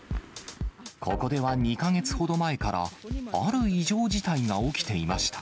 ここでは２か月ほど前から、ある異常事態が起きていました。